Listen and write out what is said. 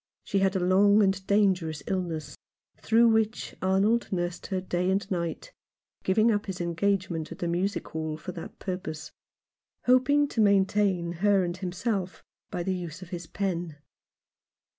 She had a long and dangerous illness, through which Arnold nursed her day and night, giving up his engagement at the Music Hall for that purpose, hoping to maintain her and himself by the use of his pen.